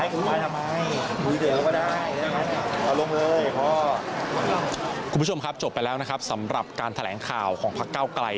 คุณผู้ชมครับจบไปแล้วนะครับสำหรับการแถลงข่าวของพักเก้าไกล